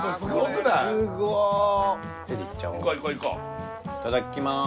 俺もいただきます。